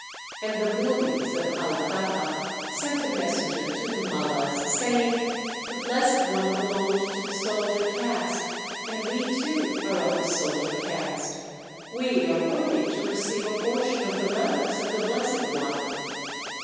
And the Bulis of Allakappa sent a messenger to the Mallas, saying, "The Blessed One belonged to the soldier caste, and we too are of the soldier caste. We are worthy to receive a portion of the relics of the Blessed One.